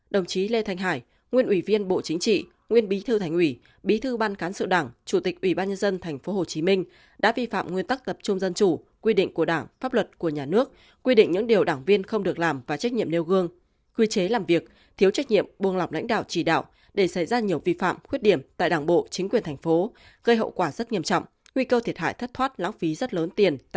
đồng chí lê thanh hải nguyên ủy viên bộ chính trị nguyên bí thư thành ủy bí thư ban cán sự đảng chủ tịch ủy ban nhân dân tp hcm đã vi phạm nguyên tắc tập trung dân chủ quy định của đảng pháp luật của nhà nước quy định những điều đảng viên không được làm và trách nhiệm nêu gương quy chế làm việc thiếu trách nhiệm buông lọc lãnh đạo trì đạo để xảy ra nhiều vi phạm khuyết điểm tại đảng bộ chính quyền thành phố gây hậu quả rất nghiêm trọng nguy cơ thiệt hại thất thoát lãng phí rất lớn tiền